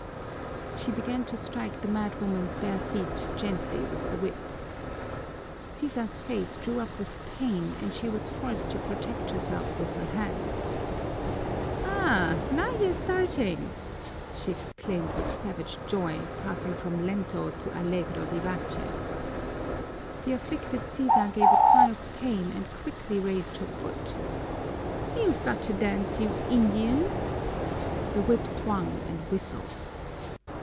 She began to strike the madwoman's bare feet gently with the whip. Sisa's face drew up with pain and she was forced to protect herself with her hands. "Aha, now you're starting!" she exclaimed with savage joy, passing from lento to allegro vivace. The afflicted Sisa gave a cry of pain and quickly raised her foot. "You've got to dance, you Indian !" The whip swung and whistled.